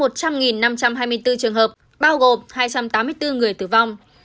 trong một trăm linh năm trăm hai mươi bốn trường hợp bao gồm hai trăm tám mươi bốn người tử vong